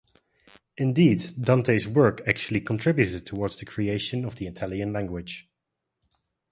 Indeed, Dante's work actually contributed towards the creation of the Italian language.